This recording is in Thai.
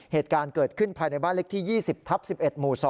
เหตุการณ์เกิดขึ้นภายในบ้านเล็กที่๒๐ทับ๑๑หมู่๒